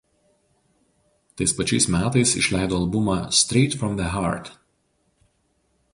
Tais pačiais metais išleido albumą „Straight from the Hart“.